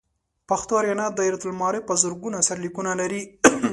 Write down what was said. پښتو آریانا دایرة المعارف په زرګونه سرلیکونه لري.